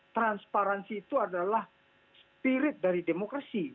transparansi itu adalah spirit dari demokrasi